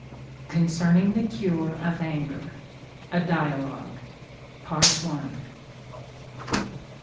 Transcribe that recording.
CONCERNING THE CURE OF ANGER. A DIALOGUE.